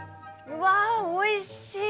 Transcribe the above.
うわおいしい！